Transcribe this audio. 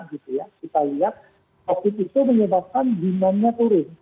kita lihat covid itu menyebabkan demandnya turun